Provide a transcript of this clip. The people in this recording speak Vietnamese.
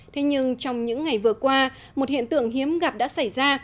thế nhưng trong những ngày vừa qua một hiện tượng hiếm gặp đã xảy ra